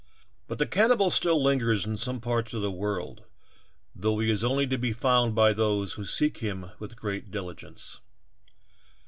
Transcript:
But the cannibal still lingers in some parts of the world, though he is only to be found by those who seek him with great diligence.